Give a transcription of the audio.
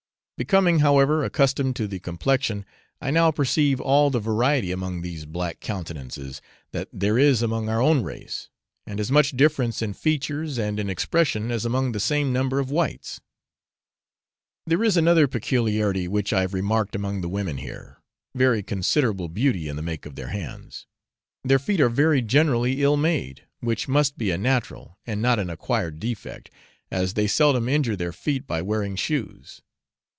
Becoming, however, accustomed to the complexion, I now perceive all the variety among these black countenances that there is among our own race, and as much difference in features and in expression as among the same number of whites. There is another peculiarity which I have remarked among the women here very considerable beauty in the make of the hands; their feet are very generally ill made, which must be a natural, and not an acquired defect, as they seldom injure their feet by wearing shoes.